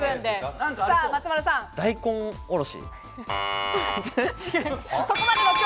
大根おろし。